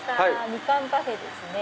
みかんパフェですね。